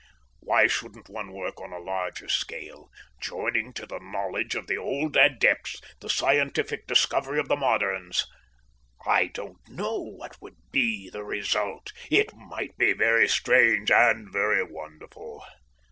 Why shouldn't one work on a larger scale, joining to the knowledge of the old adepts the scientific discovery of the moderns? I don't know what would be the result. It might be very strange and very wonderful.